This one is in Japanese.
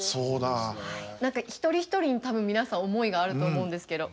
何か一人一人に多分皆さん思いがあると思うんですけど。